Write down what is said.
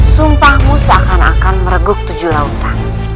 sumpahmu seakan akan meregup tujuh lautan